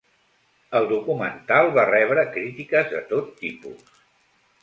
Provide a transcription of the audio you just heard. El documental va rebre crítiques de tot tipus.